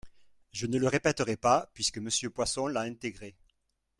Je ne le répéterai pas, puisque Monsieur Poisson l’a intégré.